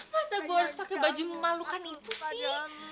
masa gue harus pakai baju memalukan itu sih